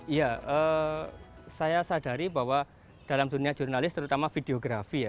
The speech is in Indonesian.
iya saya sadari bahwa dalam dunia jurnalis terutama videografi ya